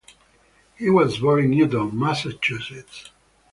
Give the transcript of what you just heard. He was born in Newton, Massachusetts.